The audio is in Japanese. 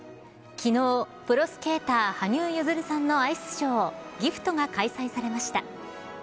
昨日プロスケーター、羽生結弦さんのアイスショーＧＩＦＴが開催されました。